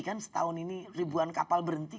kan setahun ini ribuan kapal berhenti